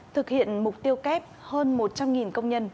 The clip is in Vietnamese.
thực hiện mục tiêu kép hơn một trăm linh công nhân